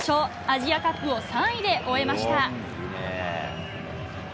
アジアカップを３位で終えました。